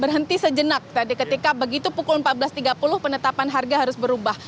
berhenti sejenak tadi ketika begitu pukul empat belas tiga puluh penetapan harga harus berubah